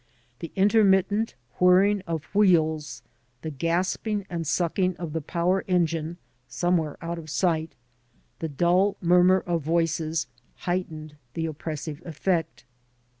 The intermittent whirring of wheels, the gasping and sucking of the power engine (somewhere out of sight), the dull murmur of voices, heightened the oppressive eflFect.